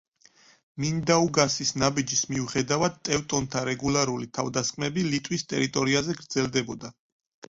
მინდაუგასის ნაბიჯის მიუხედავად ტევტონთა რეგულარული თავდასხმები ლიტვის ტერიტორიაზე გრძელდებოდა.